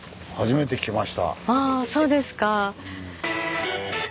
あそうですか。